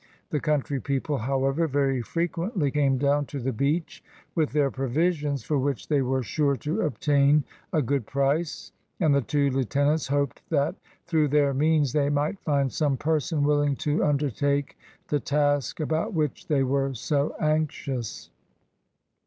The country people, however, very frequently came down to the beach with their provisions, for which they were sure to obtain a good price, and the two lieutenants hoped that through their means they might find some person willing to undertake the task about which they were so anxious.